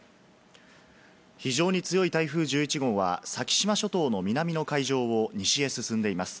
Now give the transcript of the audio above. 非常に強い台風１１号は先島諸島の南の海上を西へ進んでいます。